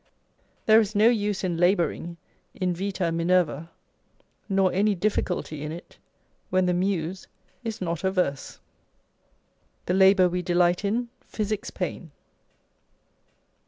There is no use in labouring, invitd Minerta nor any difficulty in it, when the Muse is not averse. The labour we delight in physics pain.